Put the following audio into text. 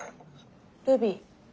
ルビー。